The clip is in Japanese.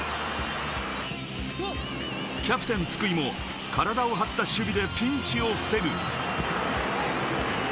キャプテン津久井も体を張った守備で、ピンチを防ぐ。